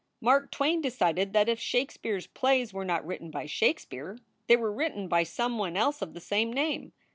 Mark Twain decided that if Shakespeare s plays were not written by Shakespeare, they were written by some one else of the same name.